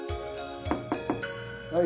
・はい。